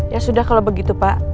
ya sudah kalau begitu pak